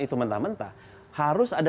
itu mentah mentah harus ada